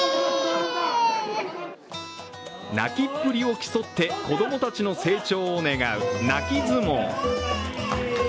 泣きっぷりを競って子供たちの成長を願う泣き相撲。